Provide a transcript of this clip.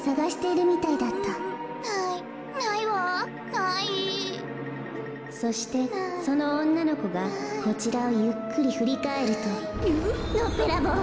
かいそうそしてそのおんなのこがこちらをゆっくりふりかえるとのっぺらぼう。